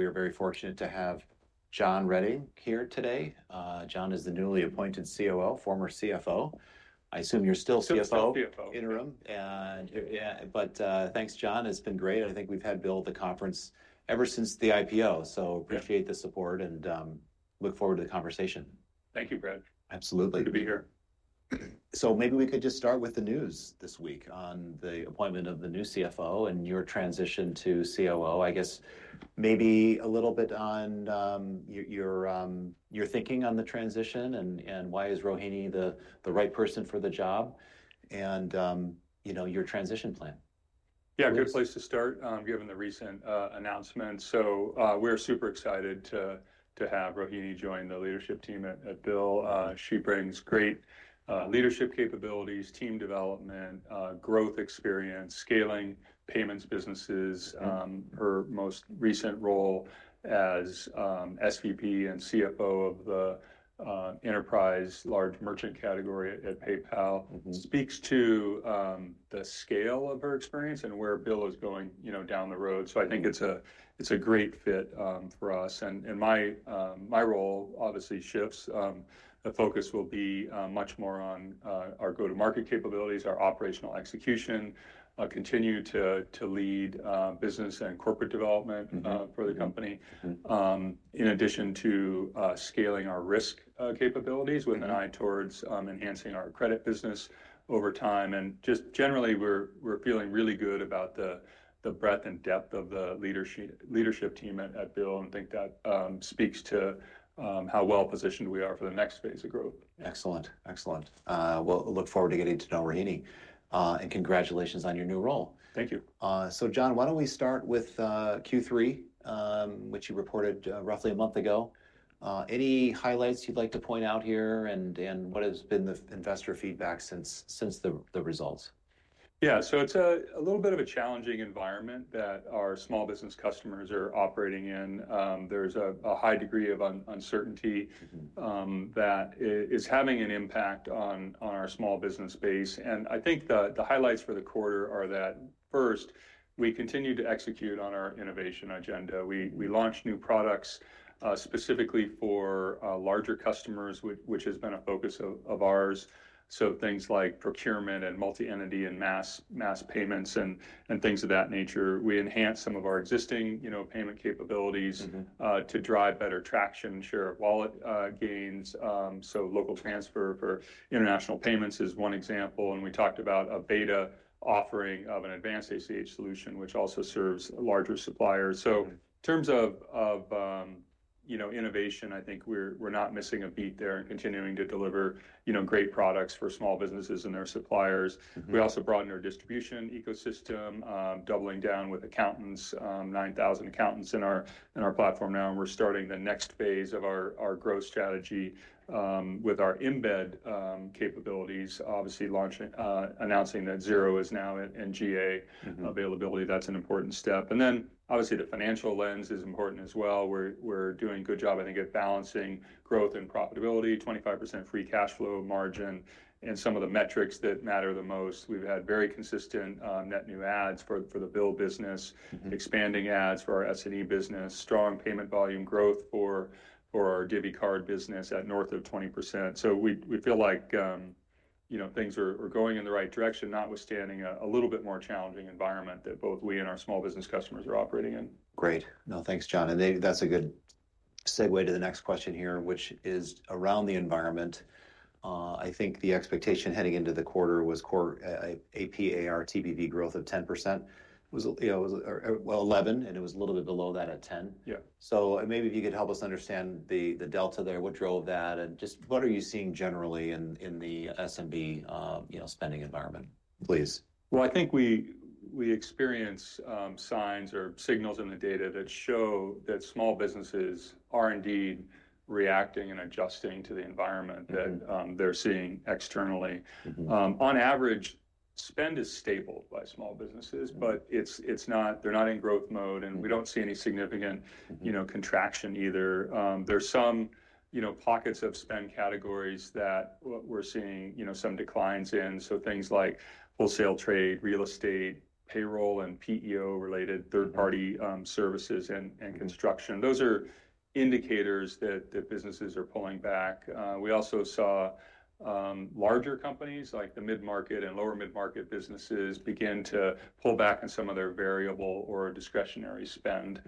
We are very fortunate to have John Rettig here today. John is the newly appointed COO, former CFO. I assume you're still CFO? Still CFO. Interim. Thanks, John. It's been great. I think we've had BILL at the conference ever since the IPO, so appreciate the support and look forward to the conversation. Thank you, Brad. Absolutely. Good to be here. Maybe we could just start with the news this week on the appointment of the new CFO and your transition to COO. I guess maybe a little bit on your thinking on the transition and why is Rohini the right person for the job and your transition plan. Yeah, good place to start given the recent announcement. We're super excited to have Rohini join the leadership team at BILL. She brings great leadership capabilities, team development, growth experience, scaling payments businesses. Her most recent role as SVP and CFO of the enterprise large merchant category at PayPal speaks to the scale of her experience and where BILL is going down the road. I think it's a great fit for us. My role obviously shifts. The focus will be much more on our go-to-market capabilities, our operational execution, continue to lead business and corporate development for the company in addition to scaling our risk capabilities with an eye towards enhancing our credit business over time. Just generally, we're feeling really good about the breadth and depth of the leadership team at BILL and think that speaks to how well positioned we are for the next phase of growth. Excellent. Excellent. I look forward to getting to know Rohini. And congratulations on your new role. Thank you. John, why don't we start with Q3, which you reported roughly a month ago? Any highlights you'd like to point out here and what has been the investor feedback since the results? Yeah, so it's a little bit of a challenging environment that our small business customers are operating in. There's a high degree of uncertainty that is having an impact on our small business base. I think the highlights for the quarter are that first, we continue to execute on our innovation agenda. We launched new products specifically for larger customers, which has been a focus of ours. Things like procurement and multi-entity and mass payments and things of that nature. We enhanced some of our existing payment capabilities to drive better traction, share of wallet gains. Local transfer for international payments is one example. We talked about a beta offering of an advanced ACH solution, which also serves larger suppliers. In terms of innovation, I think we're not missing a beat there and continuing to deliver great products for small businesses and their suppliers. We also broadened our distribution ecosystem, doubling down with accountants, 9,000 accountants in our platform now. We are starting the next phase of our growth strategy with our embed capabilities, obviously announcing that Xero is now in GA availability. That is an important step. Obviously the financial lens is important as well. We are doing a good job, I think, at balancing growth and profitability, 25% free cash flow margin, and some of the metrics that matter the most. We have had very consistent net new ads for the BILL business, expanding ads for our S&E business, strong payment volume growth for our Divvy Card business at north of 20%. We feel like things are going in the right direction, notwithstanding a little bit more challenging environment that both we and our small business customers are operating in. Great. No, thanks, John. That's a good segue to the next question here, which is around the environment. I think the expectation heading into the quarter was APAR TPV growth of 10%. It was, well, 11, and it was a little bit below that at 10%. Maybe if you could help us understand the delta there, what drove that, and just what are you seeing generally in the S&B spending environment, please? I think we experience signs or signals in the data that show that small businesses are indeed reacting and adjusting to the environment that they're seeing externally. On average, spend is stapled by small businesses, but they're not in growth mode, and we don't see any significant contraction either. There's some pockets of spend categories that we're seeing some declines in. Things like wholesale trade, real estate, payroll, and PEO-related third-party services and construction. Those are indicators that businesses are pulling back. We also saw larger companies like the mid-market and lower mid-market businesses begin to pull back on some of their variable or discretionary spend,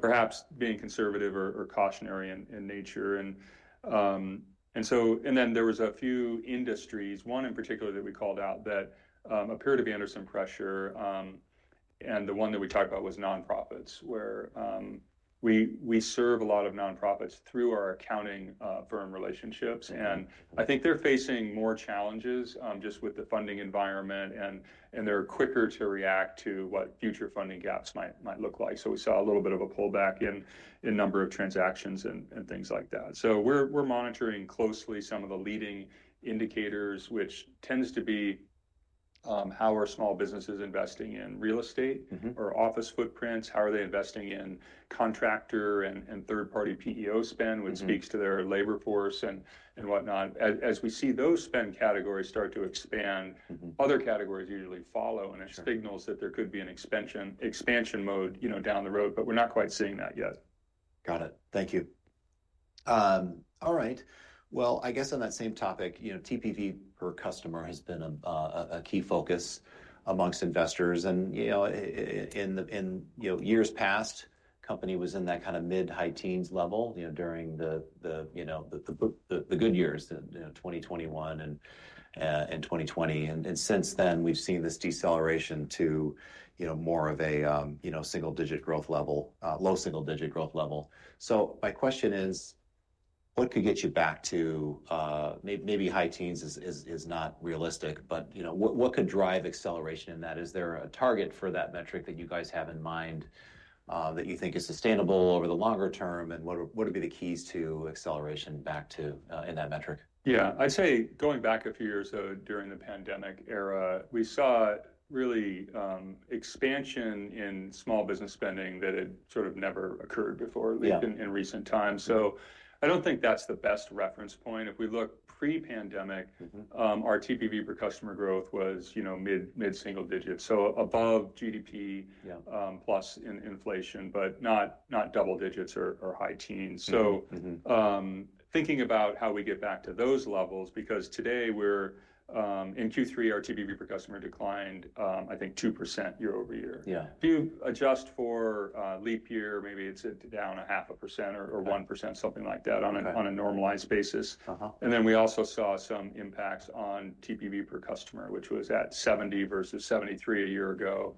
perhaps being conservative or cautionary in nature. There were a few industries, one in particular that we called out that appeared to be under some pressure. The one that we talked about was nonprofits, where we serve a lot of nonprofits through our accounting firm relationships. I think they're facing more challenges just with the funding environment, and they're quicker to react to what future funding gaps might look like. We saw a little bit of a pullback in number of transactions and things like that. We're monitoring closely some of the leading indicators, which tends to be how are small businesses investing in real estate or office footprints? How are they investing in contractor and third-party PEO spend, which speaks to their labor force and whatnot? As we see those spend categories start to expand, other categories usually follow, and it signals that there could be an expansion mode down the road, but we're not quite seeing that yet. Got it. Thank you. All right. I guess on that same topic, TPV per customer has been a key focus amongst investors. In years past, the company was in that kind of mid-high teens level during the good years, 2021 and 2020. Since then, we've seen this deceleration to more of a single-digit growth level, low single-digit growth level. My question is, what could get you back to maybe high teens is not realistic, but what could drive acceleration in that? Is there a target for that metric that you guys have in mind that you think is sustainable over the longer term? What would be the keys to acceleration back to in that metric? Yeah, I'd say going back a few years ago during the pandemic era, we saw really expansion in small business spending that had sort of never occurred before in recent times. I don't think that's the best reference point. If we look pre-pandemic, our TPV per customer growth was mid-single digits, so above GDP plus inflation, but not double digits or high teens. Thinking about how we get back to those levels, because today we're in Q3, our TPV per customer declined, I think, 2% year over year. If you adjust for leap year, maybe it's down a half a percent or 1%, something like that on a normalized basis. We also saw some impacts on TPV per customer, which was at 70 versus 73 a year ago,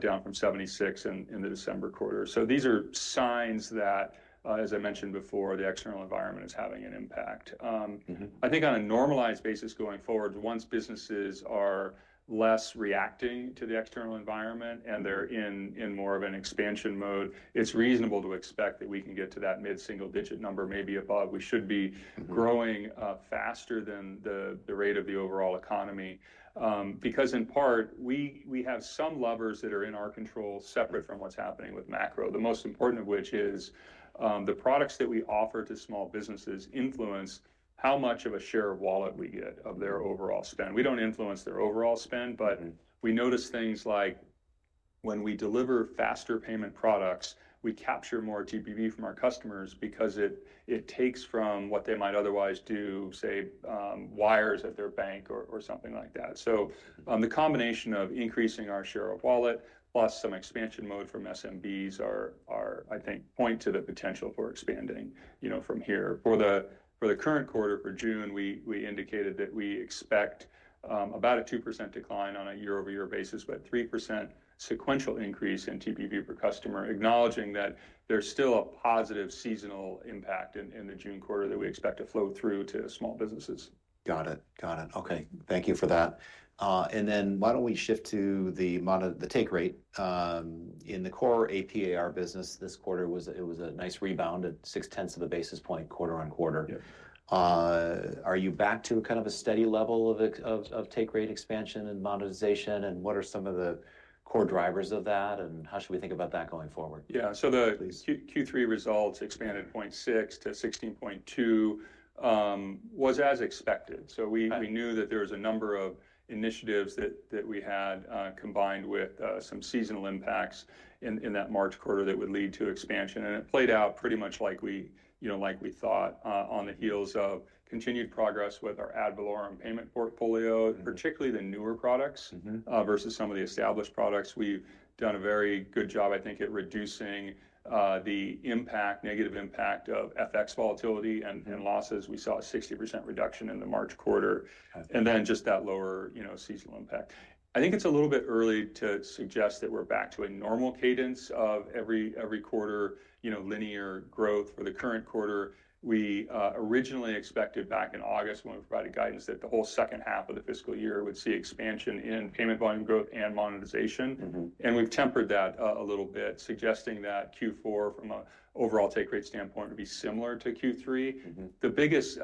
down from 76 in the December quarter. These are signs that, as I mentioned before, the external environment is having an impact. I think on a normalized basis going forward, once businesses are less reacting to the external environment and they're in more of an expansion mode, it's reasonable to expect that we can get to that mid-single digit number, maybe above. We should be growing faster than the rate of the overall economy because in part, we have some levers that are in our control separate from what's happening with macro, the most important of which is the products that we offer to small businesses influence how much of a share of wallet we get of their overall spend. We do not influence their overall spend, but we notice things like when we deliver faster payment products, we capture more TPV from our customers because it takes from what they might otherwise do, say, wires at their bank or something like that. The combination of increasing our share of wallet plus some expansion mode from SMBs, I think, point to the potential for expanding from here. For the current quarter, for June, we indicated that we expect about a 2% decline on a year-over-year basis, but 3% sequential increase in TPV per customer, acknowledging that there is still a positive seasonal impact in the June quarter that we expect to flow through to small businesses. Got it. Got it. Okay. Thank you for that. Why do not we shift to the take rate? In the core APAR business, this quarter, it was a nice rebound at 0.6 of a basis point quarter on quarter. Are you back to kind of a steady level of take rate expansion and monetization? What are some of the core drivers of that? How should we think about that going forward? Yeah. The Q3 results expanded 0.6 to 16.2 as expected. We knew that there was a number of initiatives that we had combined with some seasonal impacts in that March quarter that would lead to expansion. It played out pretty much like we thought on the heels of continued progress with our ad valorem payment portfolio, particularly the newer products versus some of the established products. We've done a very good job, I think, at reducing the negative impact of FX volatility and losses. We saw a 60% reduction in the March quarter and then just that lower seasonal impact. I think it's a little bit early to suggest that we're back to a normal cadence of every quarter linear growth for the current quarter. We originally expected back in August when we provided guidance that the whole second half of the fiscal year would see expansion in payment volume growth and monetization. We have tempered that a little bit, suggesting that Q4 from an overall take rate standpoint would be similar to Q3. The biggest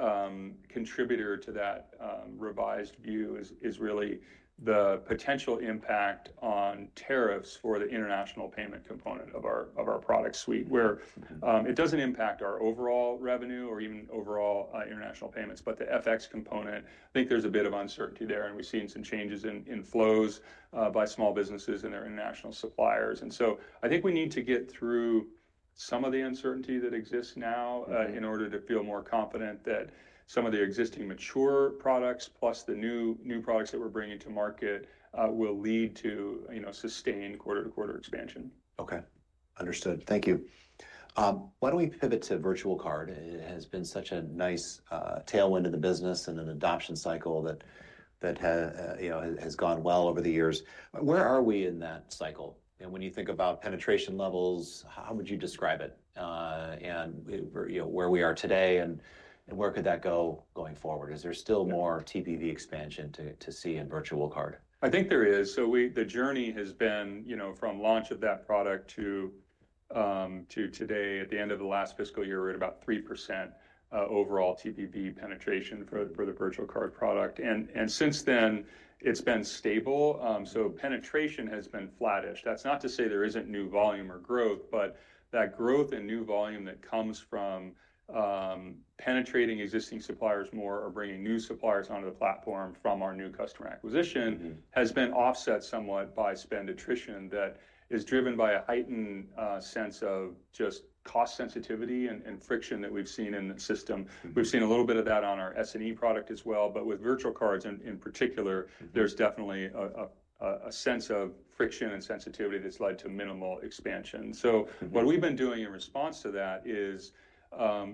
contributor to that revised view is really the potential impact on tariffs for the international payment component of our product suite, where it does not impact our overall revenue or even overall international payments, but the FX component. I think there is a bit of uncertainty there, and we have seen some changes in flows by small businesses and their international suppliers. I think we need to get through some of the uncertainty that exists now in order to feel more confident that some of the existing mature products plus the new products that we're bringing to market will lead to sustained quarter-to-quarter expansion. Okay. Understood. Thank you. Why don't we pivot to virtual card? It has been such a nice tailwind of the business and an adoption cycle that has gone well over the years. Where are we in that cycle? When you think about penetration levels, how would you describe it? Where we are today and where could that go going forward? Is there still more TPV expansion to see in virtual card? I think there is. The journey has been from launch of that product to today, at the end of the last fiscal year, we're at about 3% overall TPV penetration for the Virtual Card product. Since then, it's been stable. Penetration has been flattish. That's not to say there isn't new volume or growth, but that growth and new volume that comes from penetrating existing suppliers more or bringing new suppliers onto the platform from our new customer acquisition has been offset somewhat by spend attrition that is driven by a heightened sense of just cost sensitivity and friction that we've seen in the system. We've seen a little bit of that on our S&E product as well. With Virtual Cards in particular, there's definitely a sense of friction and sensitivity that's led to minimal expansion. What we've been doing in response to that is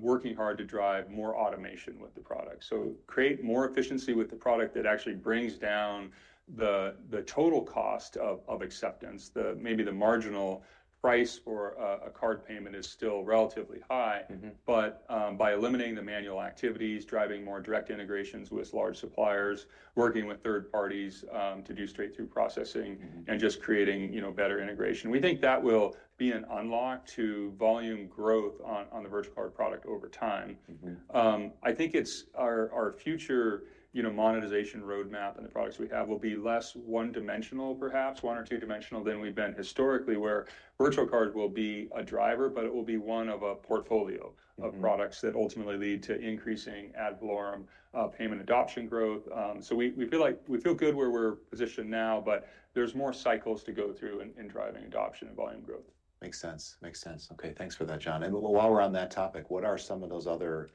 working hard to drive more automation with the product. Create more efficiency with the product that actually brings down the total cost of acceptance. Maybe the marginal price for a card payment is still relatively high, but by eliminating the manual activities, driving more direct integrations with large suppliers, working with third parties to do straight-through processing, and just creating better integration. We think that will be an unlock to volume growth on the virtual card product over time. I think our future monetization roadmap and the products we have will be less one-dimensional, perhaps one or two-dimensional than we've been historically, where virtual card will be a driver, but it will be one of a portfolio of products that ultimately lead to increasing ad valorem payment adoption growth. We feel good where we're positioned now, but there's more cycles to go through in driving adoption and volume growth. Makes sense. Makes sense. Okay. Thanks for that, John. While we're on that topic, what are some of those other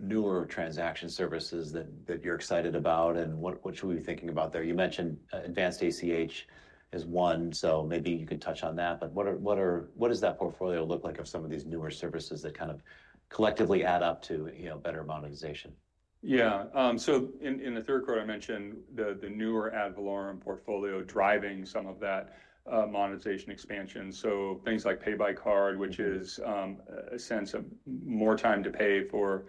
newer transaction services that you're excited about? What should we be thinking about there? You mentioned Advanced ACH is one, so maybe you can touch on that. What does that portfolio look like of some of these newer services that kind of collectively add up to better monetization? Yeah. In the third quarter, I mentioned the newer ad valorem portfolio driving some of that monetization expansion. Things like Pay by Card, which is a sense of more time to pay for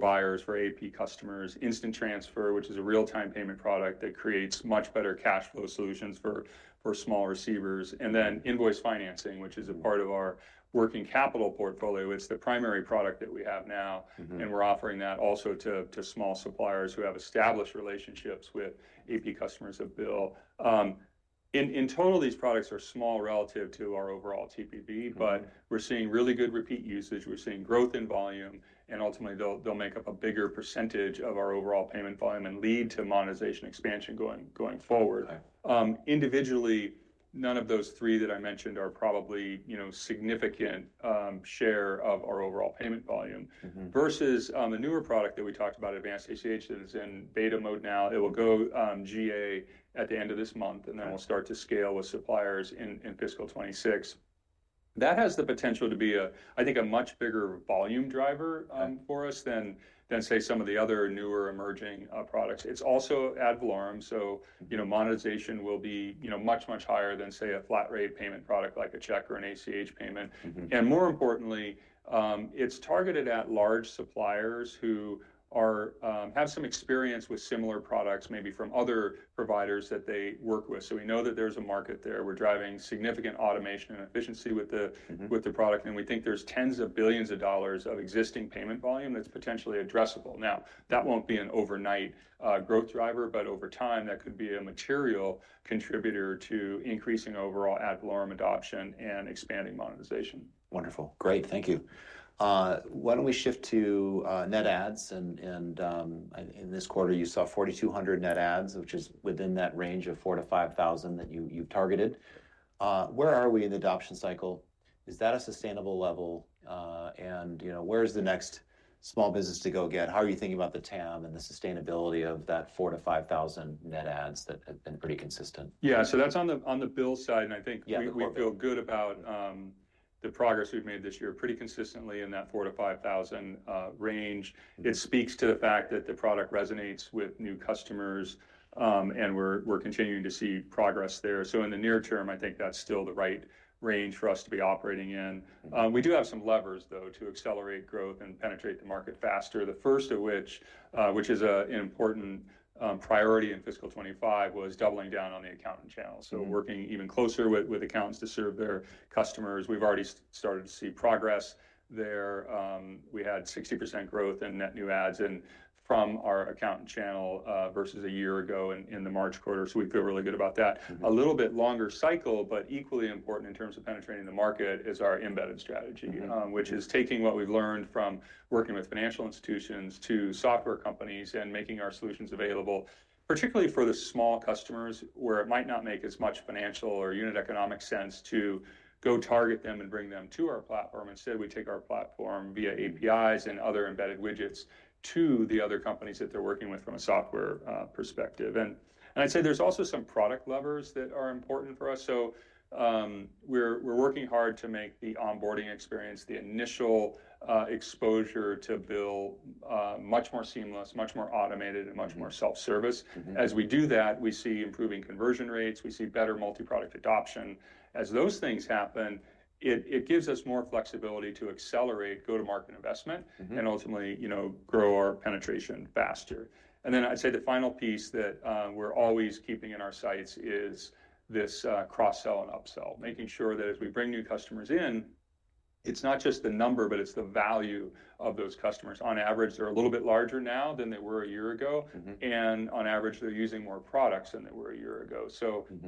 buyers, for AP customers, Instant Transfer, which is a real-time payment product that creates much better cash flow solutions for small receivers. Invoice Financing, which is a part of our working capital portfolio. It is the primary product that we have now, and we are offering that also to small suppliers who have established relationships with AP customers of BILL. In total, these products are small relative to our overall TPV, but we are seeing really good repeat usage. We are seeing growth in volume, and ultimately, they will make up a bigger percentage of our overall payment volume and lead to monetization expansion going forward. Individually, none of those three that I mentioned are probably a significant share of our overall payment volume versus the newer product that we talked about, Advanced ACH, that is in beta mode now. It will go GA at the end of this month, and then we'll start to scale with suppliers in fiscal 2026. That has the potential to be, I think, a much bigger volume driver for us than, say, some of the other newer emerging products. It is also ad valorem, so monetization will be much, much higher than, say, a flat-rate payment product like a check or an ACH payment. More importantly, it is targeted at large suppliers who have some experience with similar products, maybe from other providers that they work with. We know that there is a market there. We're driving significant automation and efficiency with the product, and we think there's tens of billions of dollars of existing payment volume that's potentially addressable. Now, that won't be an overnight growth driver, but over time, that could be a material contributor to increasing overall ad valorem adoption and expanding monetization. Wonderful. Great. Thank you. Why don't we shift to net adds? In this quarter, you saw 4,200 net adds, which is within that range of 4,000-5,000 that you've targeted. Where are we in the adoption cycle? Is that a sustainable level? Where is the next small business to go get? How are you thinking about the TAM and the sustainability of that 4,000-5,000 net adds that have been pretty consistent? Yeah. So that's on the BILL side. I think we feel good about the progress we've made this year pretty consistently in that 4,000-5,000 range. It speaks to the fact that the product resonates with new customers, and we're continuing to see progress there. In the near term, I think that's still the right range for us to be operating in. We do have some levers, though, to accelerate growth and penetrate the market faster. The first of which, which is an important priority in fiscal 2025, was doubling down on the accountant channel. Working even closer with accountants to serve their customers. We've already started to see progress there. We had 60% growth in net new adds from our accountant channel versus a year ago in the March quarter. We feel really good about that. A little bit longer cycle, but equally important in terms of penetrating the market, is our embedded strategy, which is taking what we've learned from working with financial institutions to software companies and making our solutions available, particularly for the small customers where it might not make as much financial or unit economic sense to go target them and bring them to our platform. Instead, we take our platform via APIs and other embedded widgets to the other companies that they're working with from a software perspective. I'd say there's also some product levers that are important for us. We are working hard to make the onboarding experience, the initial exposure to BILL, much more seamless, much more automated, and much more self-service. As we do that, we see improving conversion rates. We see better multi-product adoption. As those things happen, it gives us more flexibility to accelerate go-to-market investment and ultimately grow our penetration faster. I'd say the final piece that we're always keeping in our sights is this cross-sell and upsell, making sure that as we bring new customers in, it's not just the number, but it's the value of those customers. On average, they're a little bit larger now than they were a year ago. On average, they're using more products than they were a year ago.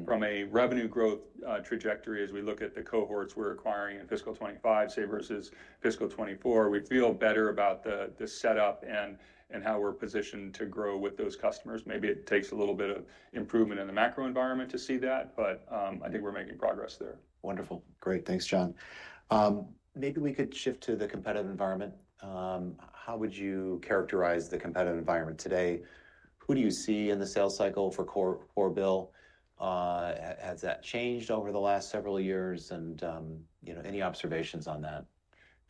From a revenue growth trajectory, as we look at the cohorts we're acquiring in fiscal 2025, say, versus fiscal 2024, we feel better about the setup and how we're positioned to grow with those customers. Maybe it takes a little bit of improvement in the macro environment to see that, but I think we're making progress there. Wonderful. Great. Thanks, John. Maybe we could shift to the competitive environment. How would you characterize the competitive environment today? Who do you see in the sales cycle for core BILL? Has that changed over the last several years? Any observations on that?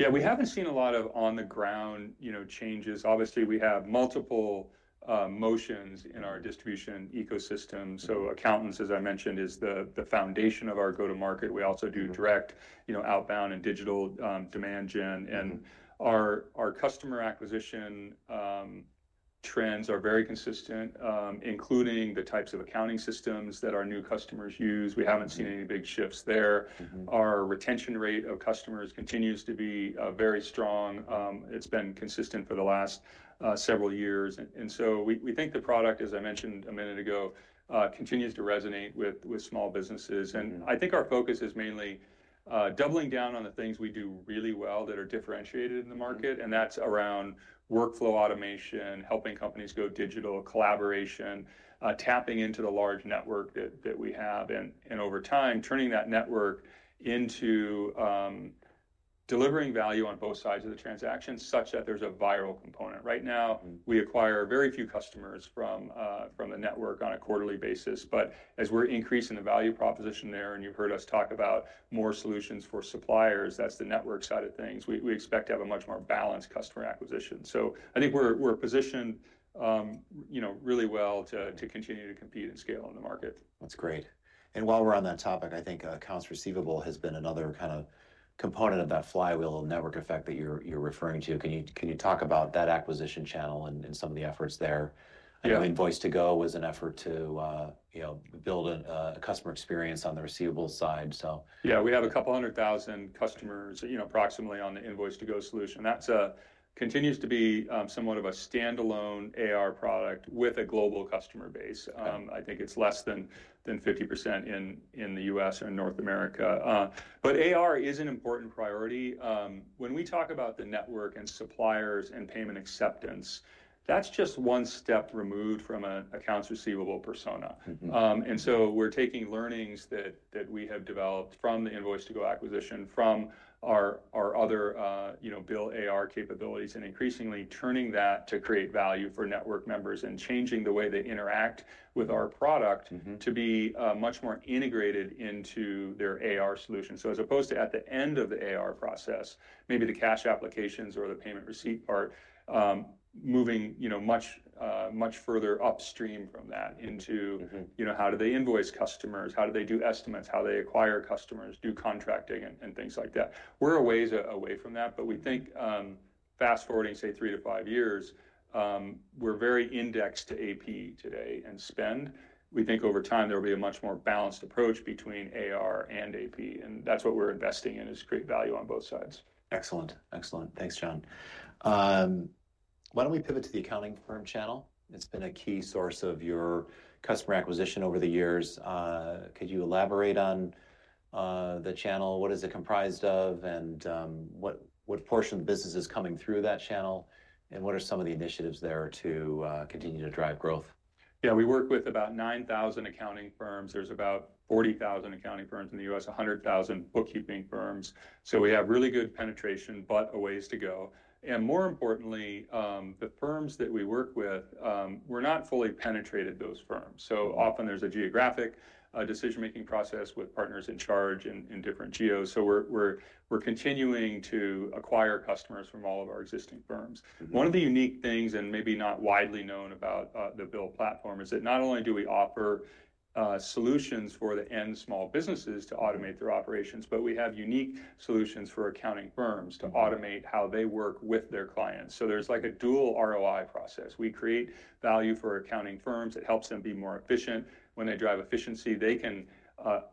Yeah. We have not seen a lot of on-the-ground changes. Obviously, we have multiple motions in our distribution ecosystem. Accountants, as I mentioned, is the foundation of our go-to-market. We also do direct, outbound, and digital demand gen. Our customer acquisition trends are very consistent, including the types of accounting systems that our new customers use. We have not seen any big shifts there. Our retention rate of customers continues to be very strong. It has been consistent for the last several years. We think the product, as I mentioned a minute ago, continues to resonate with small businesses. I think our focus is mainly doubling down on the things we do really well that are differentiated in the market. That's around workflow automation, helping companies go digital, collaboration, tapping into the large network that we have, and over time, turning that network into delivering value on both sides of the transaction such that there's a viral component. Right now, we acquire very few customers from the network on a quarterly basis. As we're increasing the value proposition there, and you've heard us talk about more solutions for suppliers, that's the network side of things. We expect to have a much more balanced customer acquisition. I think we're positioned really well to continue to compete and scale in the market. That's great. While we're on that topic, I think accounts receivable has been another kind of component of that flywheel network effect that you're referring to. Can you talk about that acquisition channel and some of the efforts there? I know Invoice To Go was an effort to build a customer experience on the receivable side, so. Yeah. We have a couple hundred thousand customers approximately on the Invoice To Go solution. That continues to be somewhat of a standalone AR product with a global customer base. I think it's less than 50% in the U.S. or in North America. AR is an important priority. When we talk about the network and suppliers and payment acceptance, that's just one step removed from an accounts receivable persona. We are taking learnings that we have developed from the Invoice To Go acquisition, from our other BILL AR capabilities, and increasingly turning that to create value for network members and changing the way they interact with our product to be much more integrated into their AR solution. As opposed to at the end of the AR process, maybe the cash applications or the payment receipt part, moving much further upstream from that into how do they invoice customers, how do they do estimates, how they acquire customers, do contracting, and things like that. We're a ways away from that, but we think fast forwarding, say, three to five years, we're very indexed to AP today and spend. We think over time, there will be a much more balanced approach between AR and AP. That's what we're investing in is create value on both sides. Excellent. Excellent. Thanks, John. Why don't we pivot to the accounting firm channel? It's been a key source of your customer acquisition over the years. Could you elaborate on the channel? What is it comprised of, and what portion of the business is coming through that channel, and what are some of the initiatives there to continue to drive growth? Yeah. We work with about 9,000 accounting firms. There are about 40,000 accounting firms in the U.S., 100,000 bookkeeping firms. We have really good penetration, but a ways to go. More importantly, the firms that we work with, we are not fully penetrated in those firms. Often, there is a geographic decision-making process with partners in charge in different geos. We are continuing to acquire customers from all of our existing firms. One of the unique things, and maybe not widely known about the BILL platform, is that not only do we offer solutions for the end small businesses to automate their operations, but we have unique solutions for accounting firms to automate how they work with their clients. There is a dual ROI process. We create value for accounting firms. It helps them be more efficient. When they drive efficiency, they can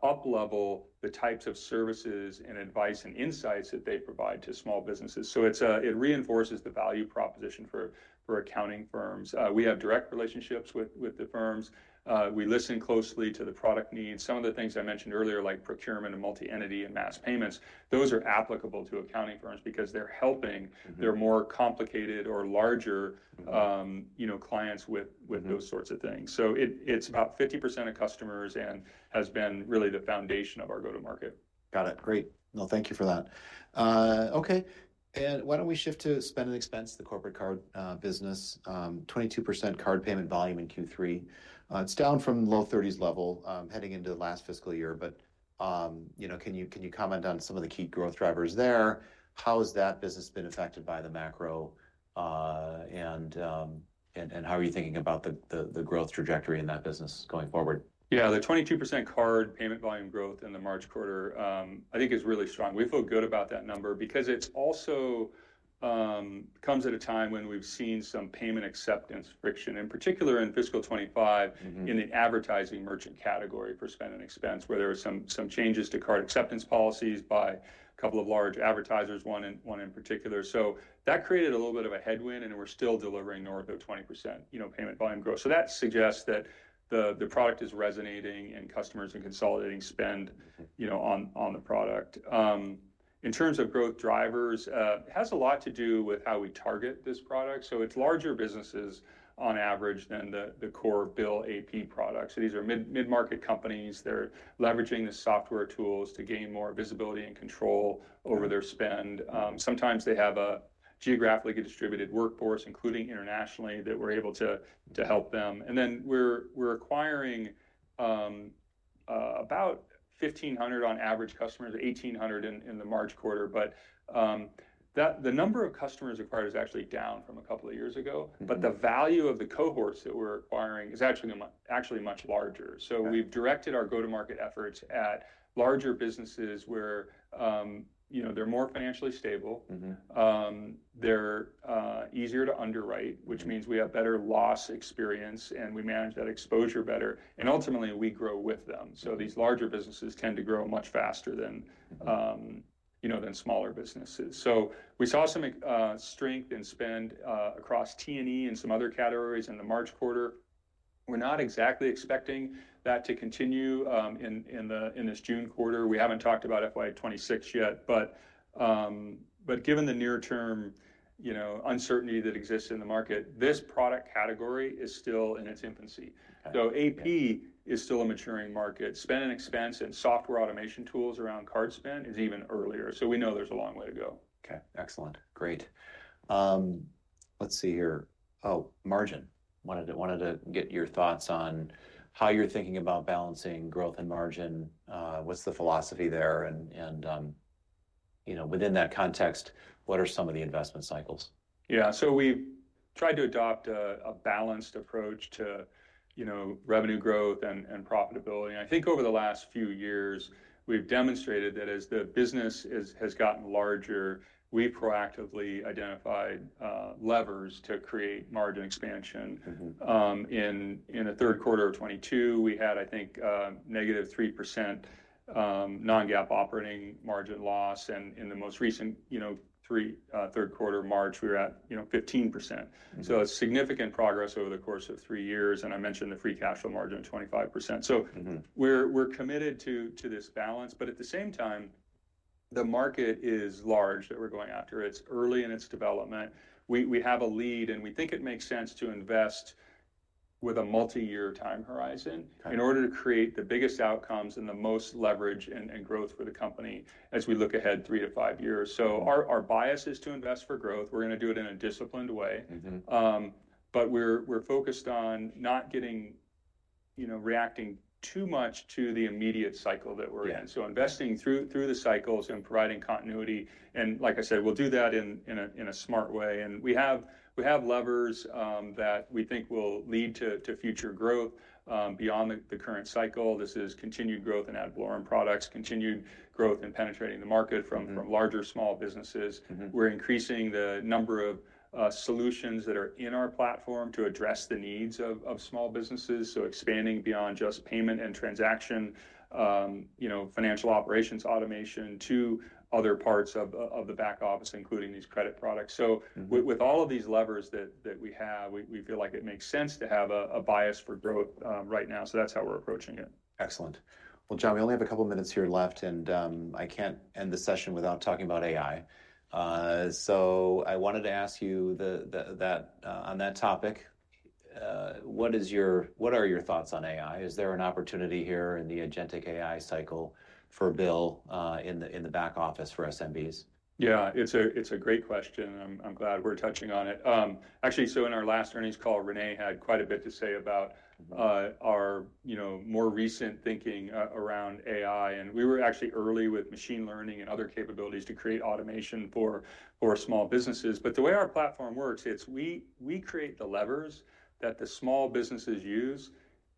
uplevel the types of services and advice and insights that they provide to small businesses. It reinforces the value proposition for accounting firms. We have direct relationships with the firms. We listen closely to the product needs. Some of the things I mentioned earlier, like procurement and multi-entity and mass payments, are applicable to accounting firms because they are helping their more complicated or larger clients with those sorts of things. It is about 50% of customers and has been really the foundation of our go-to-market. Got it. Great. Thank you for that. Okay. Why don't we shift to spend and expense, the corporate card business? 22% card payment volume in Q3. It's down from low 30s level heading into the last fiscal year. Can you comment on some of the key growth drivers there? How has that business been affected by the macro? How are you thinking about the growth trajectory in that business going forward? Yeah. The 22% card payment volume growth in the March quarter, I think, is really strong. We feel good about that number because it also comes at a time when we've seen some payment acceptance friction, in particular in fiscal 2025, in the advertising merchant category for spend and expense, where there were some changes to card acceptance policies by a couple of large advertisers, one in particular. That created a little bit of a headwind, and we're still delivering north of 20% payment volume growth. That suggests that the product is resonating and customers are consolidating spend on the product. In terms of growth drivers, it has a lot to do with how we target this product. It is larger businesses on average than the core BILL AP products. These are mid-market companies. They're leveraging the software tools to gain more visibility and control over their spend. Sometimes they have a geographically distributed workforce, including internationally, that we're able to help them. We're acquiring about 1,500 on average customers, 1,800 in the March quarter. The number of customers acquired is actually down from a couple of years ago. The value of the cohorts that we're acquiring is actually much larger. We have directed our go-to-market efforts at larger businesses where they're more financially stable. They're easier to underwrite, which means we have better loss experience, and we manage that exposure better. Ultimately, we grow with them. These larger businesses tend to grow much faster than smaller businesses. We saw some strength in spend across T&E and some other categories in the March quarter. We're not exactly expecting that to continue in this June quarter. We haven't talked about FY 2026 yet. Given the near-term uncertainty that exists in the market, this product category is still in its infancy. AP is still a maturing market. Spend and expense and software automation tools around card spend is even earlier. We know there's a long way to go. Okay. Excellent. Great. Let's see here. Oh, margin. Wanted to get your thoughts on how you're thinking about balancing growth and margin. What's the philosophy there? And within that context, what are some of the investment cycles? Yeah. So we've tried to adopt a balanced approach to revenue growth and profitability. I think over the last few years, we've demonstrated that as the business has gotten larger, we proactively identified levers to create margin expansion. In the third quarter of 2022, we had, I think, negative 3% non-GAAP operating margin loss. In the most recent third quarter, March, we were at 15%. Significant progress over the course of three years. I mentioned the free cash flow margin of 25%. We're committed to this balance. At the same time, the market is large that we're going after. It's early in its development. We have a lead, and we think it makes sense to invest with a multi-year time horizon in order to create the biggest outcomes and the most leverage and growth for the company as we look ahead three to five years. Our bias is to invest for growth. We're going to do it in a disciplined way. We're focused on not reacting too much to the immediate cycle that we're in. Investing through the cycles and providing continuity. Like I said, we'll do that in a smart way. We have levers that we think will lead to future growth beyond the current cycle. This is continued growth in ad valorem products, continued growth in penetrating the market from larger small businesses. We're increasing the number of solutions that are in our platform to address the needs of small businesses. Expanding beyond just payment and transaction, financial operations, automation to other parts of the back office, including these credit products. With all of these levers that we have, we feel like it makes sense to have a bias for growth right now. That's how we're approaching it. Excellent. John, we only have a couple of minutes here left, and I can't end the session without talking about AI. I wanted to ask you on that topic, what are your thoughts on AI? Is there an opportunity here in the agentic AI cycle for BILL in the back office for SMBs? Yeah. It's a great question. I'm glad we're touching on it. Actually, in our last earnings call, René had quite a bit to say about our more recent thinking around AI. We were actually early with machine learning and other capabilities to create automation for small businesses. The way our platform works, we create the levers that the small businesses use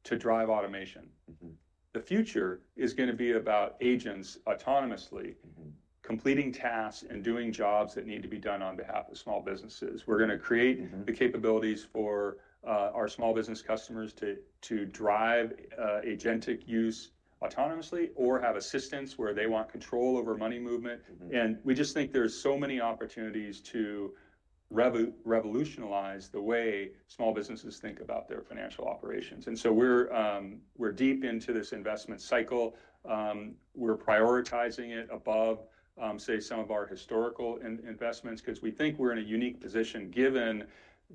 to drive automation. The future is going to be about agents autonomously completing tasks and doing jobs that need to be done on behalf of small businesses. We're going to create the capabilities for our small business customers to drive agentic use autonomously or have assistance where they want control over money movement. We just think there's so many opportunities to revolutionize the way small businesses think about their financial operations. We're deep into this investment cycle. We're prioritizing it above, say, some of our historical investments because we think we're in a unique position given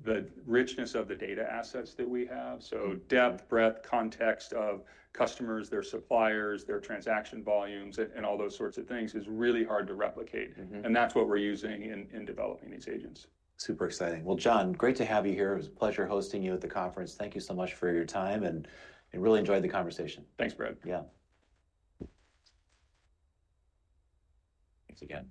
the richness of the data assets that we have. Depth, breadth, context of customers, their suppliers, their transaction volumes, and all those sorts of things is really hard to replicate. That is what we're using in developing these agents. Super exciting. John, great to have you here. It was a pleasure hosting you at the conference. Thank you so much for your time, and really enjoyed the conversation. Thanks, Brad. Yeah. Thanks again.